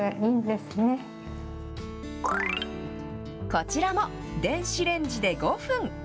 こちらも電子レンジで５分。